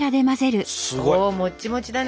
すごい！もっちもちだね！